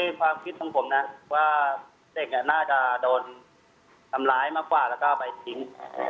ความคิดของผมนะว่าเด็กน่าจะโดนทำร้ายมากกว่าแล้วก็เอาไปทิ้ง